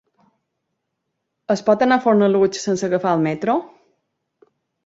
Es pot anar a Fornalutx sense agafar el metro?